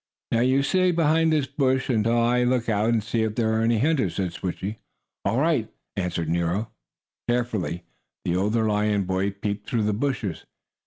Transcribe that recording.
"Now you stay behind this bush until I look out and see if there are any hunters," said Switchie. "All right," answered Nero. Carefully the older lion boy peeped through the bushes.